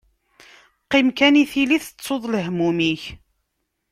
Qqim kan i tili tettuḍ lehmum-ik.